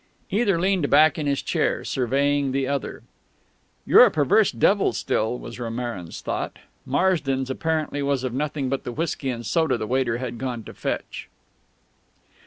Either leaned back in his chair, surveying the other. "You're a perverse devil still," was Romarin's thought. Marsden's, apparently, was of nothing but the whiskey and soda the waiter had gone to fetch.